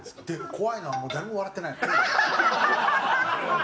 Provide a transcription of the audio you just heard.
怖いのは誰も笑ってないの。